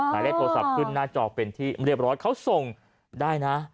หมายเลขโทรศัพท์ขึ้นหน้าจอเป็นที่เรียบร้อยเขาส่งได้นะ